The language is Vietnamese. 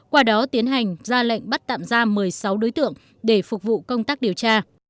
qua đó tiến hành ra lệnh bắt tạm giam một mươi sáu đối tượng để phục vụ công tác điều tra